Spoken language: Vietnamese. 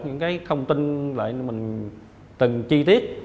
nói chung là vì nhiều thông tin lại từng chi tiết